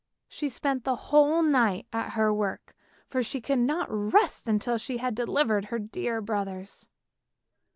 She spent the whole night at her work, for she could not rest till she had delivered her dear brothers.